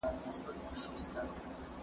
د اقتصادي پالیسۍ جوړول مهم کار دی.